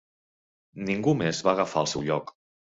Ningú més va agafar el seu lloc.